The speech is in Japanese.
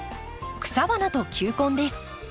「草花と球根」です。